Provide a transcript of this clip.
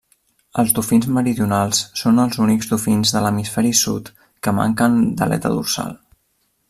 Els dofins meridionals són els únics dofins de l'hemisferi sud que manquen d'aleta dorsal.